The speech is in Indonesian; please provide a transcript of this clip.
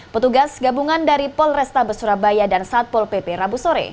petugas gabungan dari polrestabes surabaya dan satpol pp rabu sore